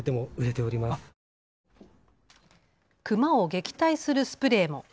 クマを撃退するスプレーも。